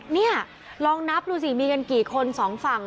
นี่ลองนับดูสิมีกันกี่คนสองฝั่ง